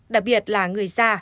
đặc biệt là người dân